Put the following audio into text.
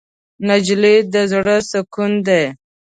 نجلۍ د زړه سکون دی.